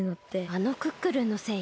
あのクックルンのせい？